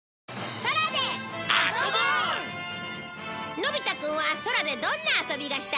のび太くんは空でどんな遊びがしたい？